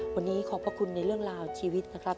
วันนี้ขอบพระคุณในเรื่องราวชีวิตนะครับ